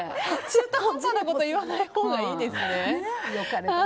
中途半端なこと言わないほうがいいですね。